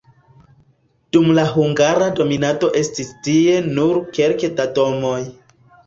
Dum la hungara dominado estis tie nur kelke da domoj.